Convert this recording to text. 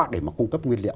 để mà cung cấp nguyên liệu